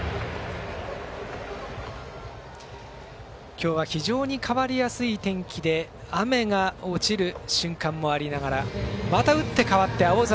今日は非常に変わりやすい天気で雨が落ちる瞬間もありながらまた打って変わって青空。